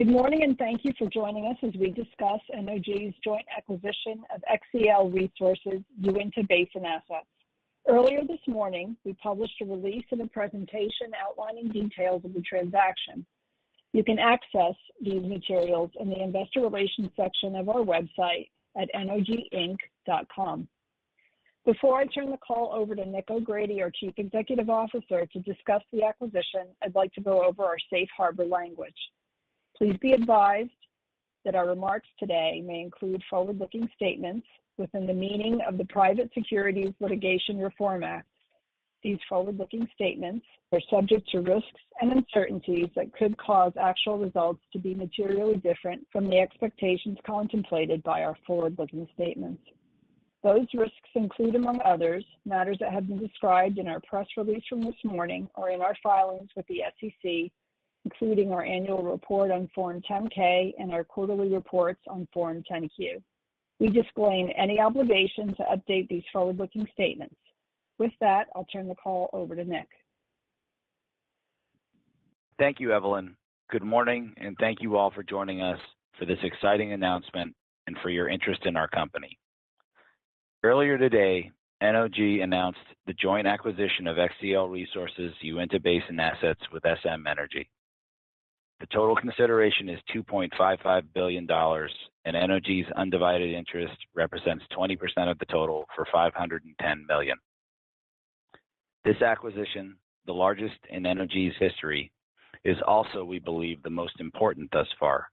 Good morning, and thank you for joining us as we discuss NOG's joint acquisition of XCL Resources' Uintah Basin assets. Earlier this morning, we published a release and a presentation outlining details of the transaction. You can access these materials in the investor relations section of our website at noginc.com. Before I turn the call over to Nick O'Grady, our Chief Executive Officer, to discuss the acquisition, I'd like to go over our safe harbor language. Please be advised that our remarks today may include forward-looking statements within the meaning of the Private Securities Litigation Reform Act. These forward-looking statements are subject to risks and uncertainties that could cause actual results to be materially different from the expectations contemplated by our forward-looking statements. Those risks include, among others, matters that have been described in our press release from this morning or in our filings with the SEC, including our annual report on Form 10-K and our quarterly reports on Form 10-Q. We disclaim any obligation to update these forward-looking statements. With that, I'll turn the call over to Nick. Thank you, Evelyn. Good morning, and thank you all for joining us for this exciting announcement and for your interest in our company. Earlier today, NOG announced the joint acquisition of XCL Resources' Uintah Basin assets with SM Energy. The total consideration is $2.55 billion, and NOG's undivided interest represents 20% of the total for $510 million. This acquisition, the largest in NOG's history, is also, we believe, the most important thus far.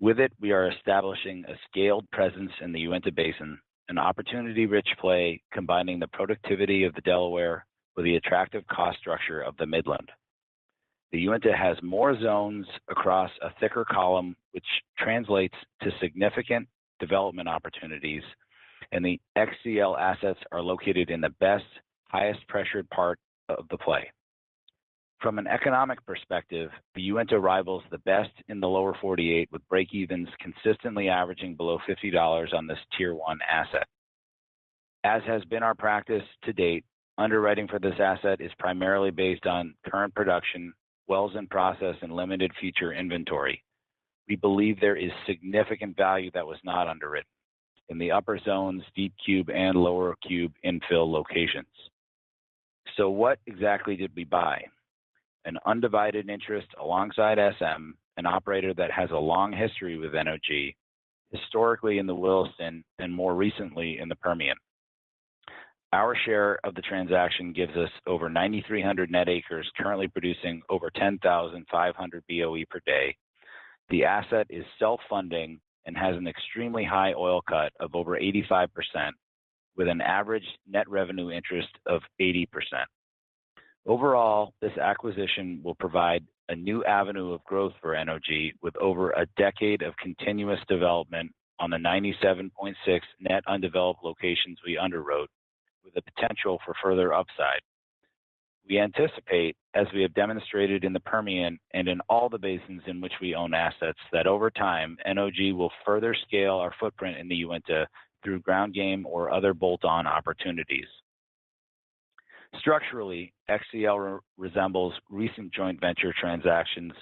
With it, we are establishing a scaled presence in the Uintah Basin, an opportunity-rich play combining the productivity of Delaware with the attractive cost structure of the Midland. The Uintah has more zones across a thicker column, which translates to significant development opportunities, and the XCL assets are located in the best, highest-pressured part of the play. From an economic perspective, the Uintah rivals the best in the lower 48, with breakevens consistently averaging below $50 on this Tier 1 asset. As has been our practice to date, underwriting for this asset is primarily based on current production, wells in process, and limited future inventory. We believe there is significant value that was not underwritten in the Upper Zones, Deep Cube, and Lower Cube infill locations. So what exactly did we buy? An undivided interest alongside SM, an operator that has a long history with NOG, historically in the Williston and more recently in the Permian. Our share of the transaction gives us over 9,300 net acres, currently producing over 10,500 BOE per day. The asset is self-funding and has an extremely high oil cut of over 85%, with an average net revenue interest of 80%. Overall, this acquisition will provide a new avenue of growth for NOG, with over a decade of continuous development on the 97.6 net undeveloped locations we underwrote, with the potential for further upside. We anticipate, as we have demonstrated in the Permian and in all the basins in which we own assets, that over time, NOG will further scale our footprint in the Uintah through ground game or other bolt-on opportunities. Structurally, XCL resembles recent joint venture transactions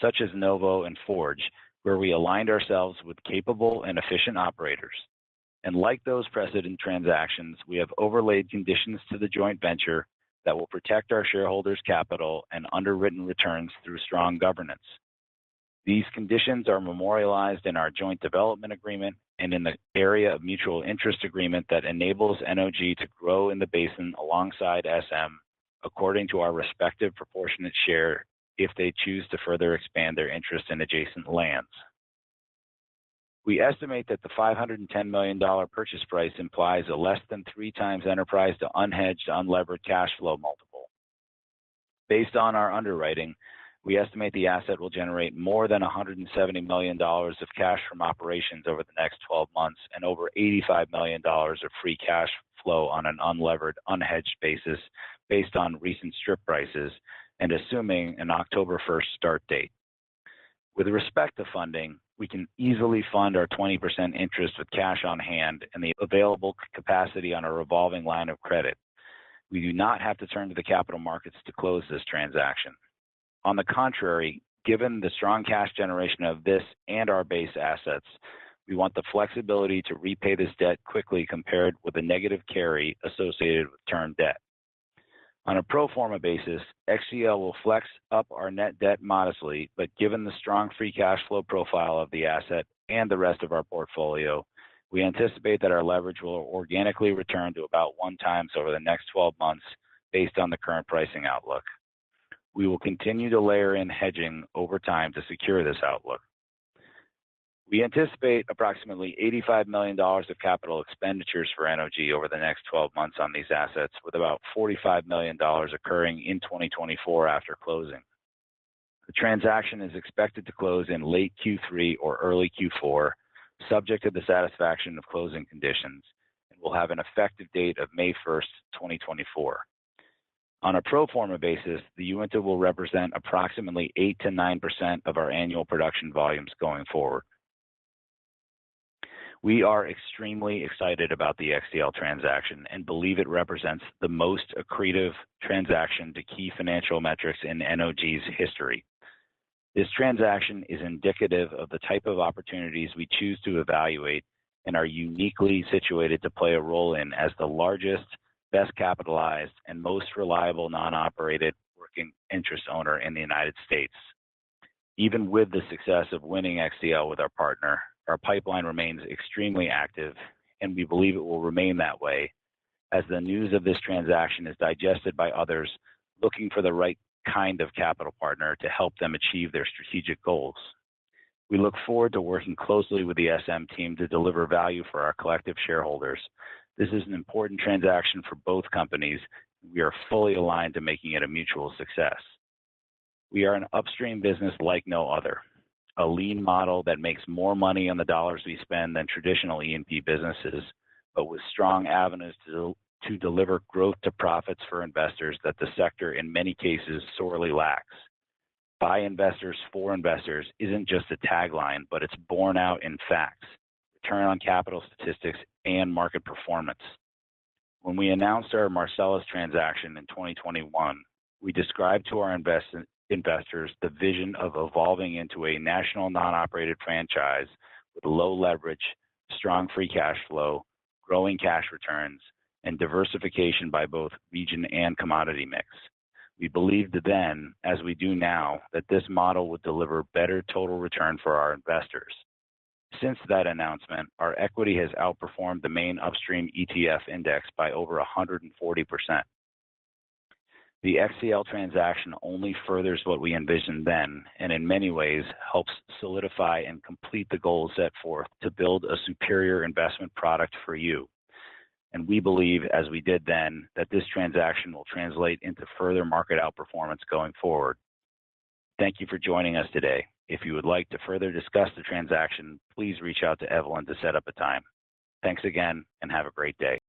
such as Novo and Forge, where we aligned ourselves with capable and efficient operators. And like those precedent transactions, we have overlaid conditions to the joint venture that will protect our shareholders' capital and underwritten returns through strong governance. These conditions are memorialized in our joint development agreement and in the area of mutual interest agreement that enables NOG to grow in the basin alongside SM, according to our respective proportionate share if they choose to further expand their interest in adjacent lands. We estimate that the $510 million purchase price implies a less than 3x enterprise to unhedged unlevered cash flow multiple. Based on our underwriting, we estimate the asset will generate more than $170 million of cash from operations over the next 12 months and over $85 million of free cash flow on an unlevered unhedged basis based on recent strip prices and assuming an October 1st start date. With respect to funding, we can easily fund our 20% interest with cash on hand and the available capacity on a revolving line of credit. We do not have to turn to the capital markets to close this transaction. On the contrary, given the strong cash generation of this and our base assets, we want the flexibility to repay this debt quickly compared with the negative carry associated with term debt. On a pro forma basis, XCL will flex up our net debt modestly, but given the strong free cash flow profile of the asset and the rest of our portfolio, we anticipate that our leverage will organically return to about 1x over the next 12 months based on the current pricing outlook. We will continue to layer in hedging over time to secure this outlook. We anticipate approximately $85 million of capital expenditures for NOG over the next 12 months on these assets, with about $45 million occurring in 2024 after closing. The transaction is expected to close in late Q3 or early Q4, subject to the satisfaction of closing conditions, and will have an effective date of May 1st, 2024. On a pro forma basis, the Uintah will represent approximately 8%-9% of our annual production volumes going forward. We are extremely excited about the XCL transaction and believe it represents the most accretive transaction to key financial metrics in NOG's history. This transaction is indicative of the type of opportunities we choose to evaluate and are uniquely situated to play a role in as the largest, best-capitalized, and most reliable non-operated working interest owner in the United States. Even with the success of winning XCL with our partner, our pipeline remains extremely active, and we believe it will remain that way as the news of this transaction is digested by others looking for the right kind of capital partner to help them achieve their strategic goals. We look forward to working closely with the SM team to deliver value for our collective shareholders. This is an important transaction for both companies, and we are fully aligned to making it a mutual success. We are an upstream business like no other, a lean model that makes more money on the dollars we spend than traditional E&P businesses, but with strong avenues to deliver growth to profits for investors that the sector in many cases sorely lacks. "By investors for investors" isn't just a tagline, but it's borne out in facts, return on capital statistics, and market performance. When we announced our Marcellus transaction in 2021, we described to our investors the vision of evolving into a national non-operated franchise with low leverage, strong free cash flow, growing cash returns, and diversification by both region and commodity mix. We believed then, as we do now, that this model would deliver better total return for our investors. Since that announcement, our equity has outperformed the main upstream ETF index by over 140%. The XCL transaction only furthers what we envisioned then and in many ways helps solidify and complete the goals set forth to build a superior investment product for you. And we believe, as we did then, that this transaction will translate into further market outperformance going forward. Thank you for joining us today. If you would like to further discuss the transaction, please reach out to Evelyn to set up a time. Thanks again and have a great day.